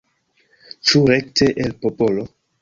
Ĉu rekte el popolo?